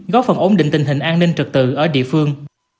góp phần ổn định tình hình an ninh trật tự ở địa phương